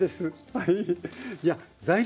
はい。